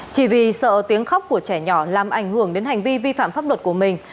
chỉ vì sợ tiếng khóc của trẻ nhỏ làm ảnh hưởng đến hành vi vi phạm pháp luật của mình